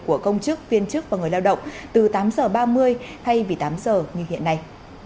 của công chức viên chức và người lao động từ tám h ba mươi hay vì tám h như hiện nay